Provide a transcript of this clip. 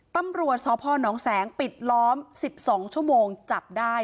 ตำรวจศพน้องแสงปิดล้อมสิบสองชั่วโมงจับได้